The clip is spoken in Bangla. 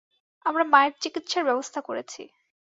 আমরা মায়ের চিকিৎসার ব্যবস্থা করেছি।